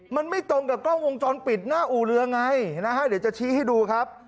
มันไม่ตรงกับกล้องวงจรปิดหน้าอู่เรือไงนะฮะเดี๋ยวจะชี้ให้ดูครับ